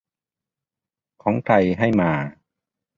ของ ใคร ให้มา